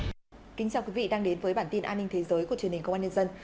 chào mừng quý vị đến với bản tin an ninh thế giới của truyền hình công an nhân dân